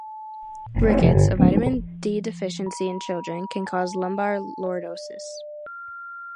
Rickets, a vitamin D deficiency in children, can cause lumbar lordosis.